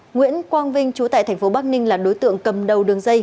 nguyễn quang vinh chú tại tp bắc ninh là đối tượng cầm đầu đường dây